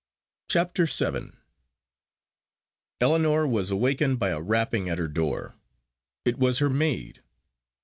CHAPTER VII. Ellinor was awakened by a rapping at her door: it was her maid.